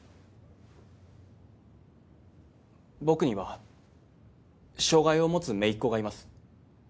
僕には障がいを持つ姪っ子がいます